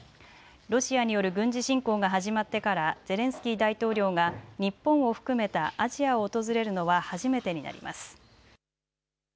ロシアによる軍事侵攻が始まってからゼレンスキー大統領が日本を含めたアジアを訪れるのは初めてになります。